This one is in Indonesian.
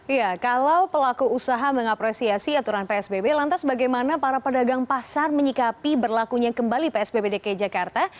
ya kalau pelaku usaha mengapresiasi aturan psbb lantas bagaimana para pedagang pasar menyikapi berlakunya kembali psbb dki jakarta